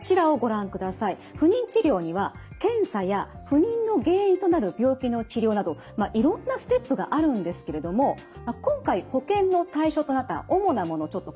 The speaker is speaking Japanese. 不妊治療には検査や不妊の原因となる病気の治療などいろんなステップがあるんですけれども今回保険の対象となった主なものちょっとこちら見ていきましょう。